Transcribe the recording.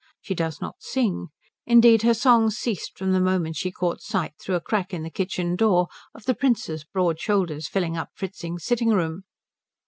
She does not sing. Indeed her songs ceased from the moment she caught sight through a crack in the kitchen door of the Prince's broad shoulders filling up Fritzing's sitting room.